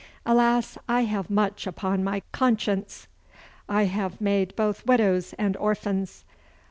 Alas, I have much upon my conscience? I have made both widows and orphans.